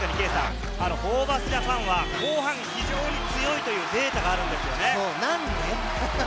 ホーバスＪＡＰＡＮは後半、非常に強いというデータがあるんですよね。